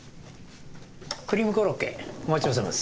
クリームコロッケお待ちどおさまです。